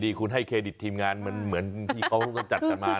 ดีคุณให้เครดิตทิมงานเหมือนที่เสิร์ฟกับชาวบ้าน